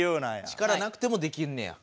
力なくてもできんねや。